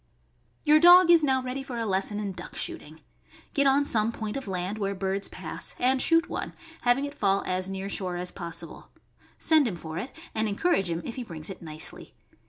Your dog is now ready for a lesson in duck shooting. Get on some point of land where birds pass, and shoot one, having it fall as near shore as possi ble; send him for it, and encourage him if he brings it nicely.